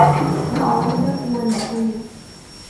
kwa kawaida huwa nyekundu